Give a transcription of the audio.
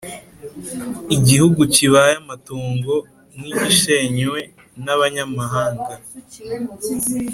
Igihugu kibaye amatongo nk’igishenywe n’abanyamahanga